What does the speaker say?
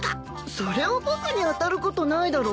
それを僕に当たることないだろ。